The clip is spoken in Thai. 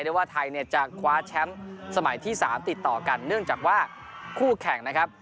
ได้ว่าไทยเนี่ยจะคว้าแชมป์สมัยที่๓ติดต่อกันเนื่องจากว่าคู่แข่งนะครับ